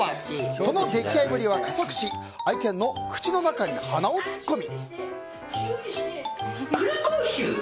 その溺愛ぶりは加速し愛犬の口の中に鼻を突っ込み。